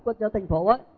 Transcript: cho thành phố